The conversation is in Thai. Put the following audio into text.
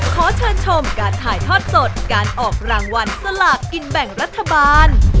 ขอเชิญชมการถ่ายทอดสดการออกรางวัลสลากกินแบ่งรัฐบาล